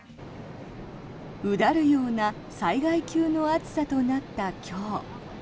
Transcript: うだるような災害級の暑さとなった今日。